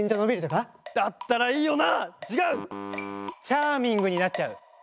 チャーミングになっちゃう？